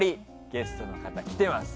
ゲストの方、来てます。